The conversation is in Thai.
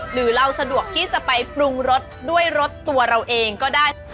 หรือเราสะดวกที่จะไปปรุงรสด้วยรสตัวเราเองก็ได้